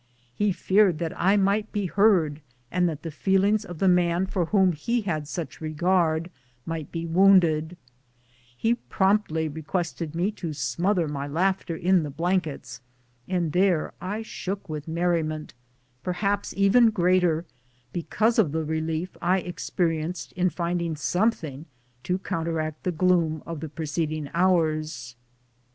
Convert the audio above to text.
lie feared I might be heard, and that the feelings of the man for whom he had such regard might be wounded, lie promptly requested me to smother my laughter in the blankets, and there I shook with merriment, per haps even greater because of the relief I experienced in finding something to counteract the gloom of the preceding hours.